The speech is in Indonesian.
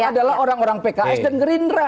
adalah orang orang pks dan gerindra